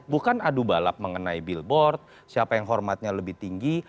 bukan adu balap mengenai billboard siapa yang hormatnya lebih tinggi